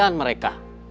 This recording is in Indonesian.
jangan nanti kamu kecewa